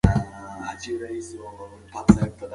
د روسیې استازي له امیر سره وکتل.